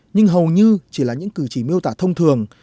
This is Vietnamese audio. nhưng hầu như chỉ là những cử chỉ miêu tả thông thường